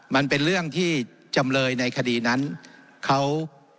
มันเป็นเรื่องที่จำเลยในคดีนั้นเขา